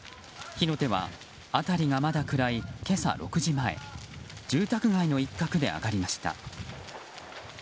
火の手は辺りがまだ暗い今朝６時前住宅街の一角で上がりました。